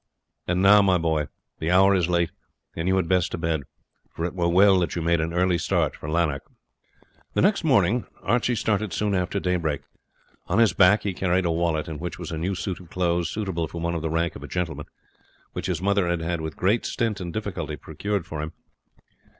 And now, my boy, the hour is late, and you had best to bed, for it were well that you made an early start for Lanark." The next morning Archie started soon after daybreak. On his back he carried a wallet, in which was a new suit of clothes suitable for one of the rank of a gentleman, which his mother had with great stint and difficulty procured for him.